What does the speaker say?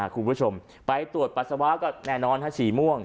คุณผู้ชมไปตรวจปัสสาวะก็แน่นอนถ้าสีม่วง